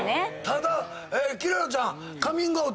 ただキララちゃん。